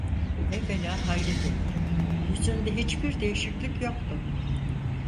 Evvela hayret etti; yüzünde hiçbir değişiklik yoktu.